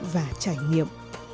và trải nghiệm